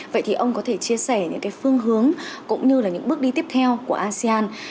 vậy thì ông có thể chia sẻ những phương hướng cũng như những bước đi tiếp theo của asean